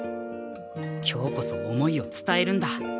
今日こそ思いを伝えるんだ。